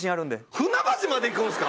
船橋まで行くんですか？